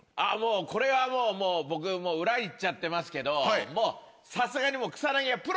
これはもう僕裏行っちゃってますけどさすがに草薙は。